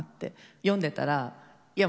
読んでたらいや